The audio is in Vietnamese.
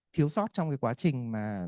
thiếu sót trong quá trình